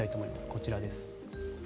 こちらです。